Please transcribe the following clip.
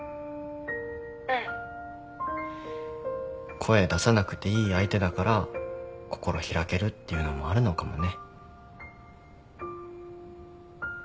声出さなくていい相手だから心開けるっていうのもあるのかもね。